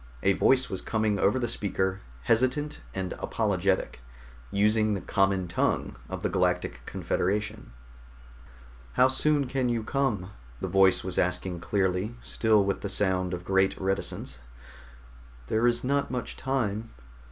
A voice was coming over the speaker, hesitant and apologetic, using the common tongue of the Galactic Confederation. "How soon can you come?" the voice was asking clearly, still with the sound of great reticence. "There is not much time."